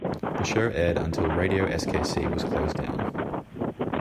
The show aired until radio skc was closed down.